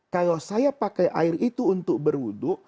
kalau saya pakai air itu untuk berwudhu